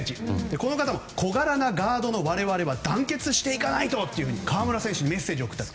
この方、小柄なガードの我々は団結していかないととメッセージを送った。